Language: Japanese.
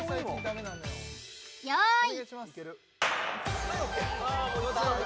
用意